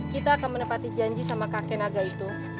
kita akan menepati janji sama kakek naga itu